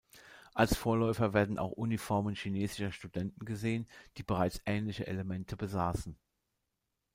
Als Vorläufer werden auch Uniformen chinesischer Studenten gesehen, die bereits ähnliche Elemente besaßen.